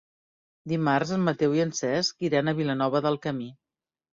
Dimarts en Mateu i en Cesc iran a Vilanova del Camí.